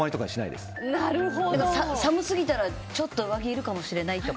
でも寒すぎたら上着いるかもしれないとか。